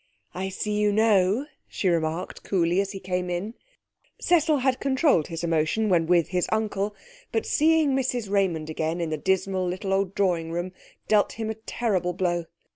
'I see you know,' she remarked coolly as he came in. Cecil had controlled his emotion when with his uncle, but seeing Mrs Raymond again in the dismal little old drawing room dealt him a terrible blow.